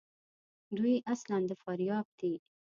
دوی اصلاُ د فاریاب دي.